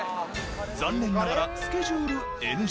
残念ながらスケジュールＮＧ。